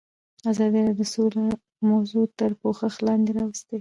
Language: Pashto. ازادي راډیو د سوله موضوع تر پوښښ لاندې راوستې.